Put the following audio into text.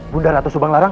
bundar atas subang larang